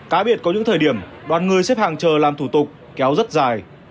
cá biệt có những thời điểm đoàn người xếp hàng chờ làm thủ tục kéo rất dài